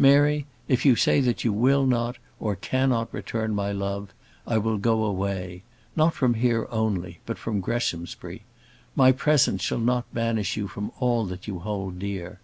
Mary, if you say that you will not, or cannot return my love, I will go away; not from here only, but from Greshamsbury. My presence shall not banish you from all that you hold dear.